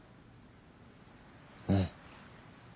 うん。